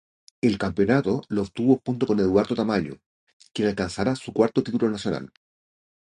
El campeonato lo obtuvo junto con Eduardo Tamayo, quien alcanzara su cuarto título nacional.